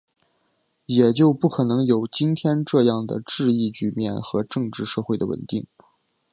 也就不可能有今天这样的治疫局面和政治社会的稳定